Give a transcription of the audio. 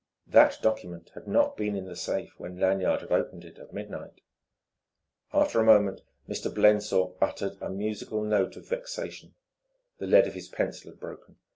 That document had not been in the safe when Lanyard had opened it at midnight. After a moment Mr. Blensop uttered a musical note of vexation. The lead of his pencil had broken.